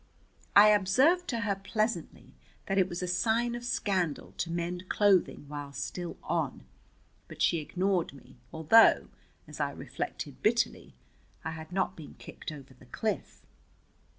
I observed to her pleasantly that it was a sign of scandal to mend clothing while still on, but she ignored me, although, as I reflected bitterly, I had not been kicked over the cliff.